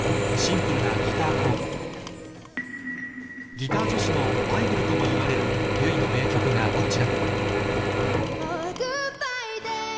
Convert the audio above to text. ギター女子のバイブルともいわれる ＹＵＩ の名曲がこちら